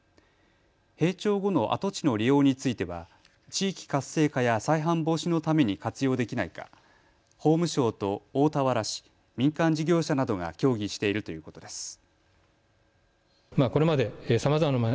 閉庁後の跡地の利用については地域活性化や再犯防止のために活用できないか法務省と大田原市、民間事業者などが協議しているということです。